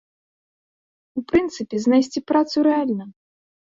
У прынцыпе, знайсці працу рэальна.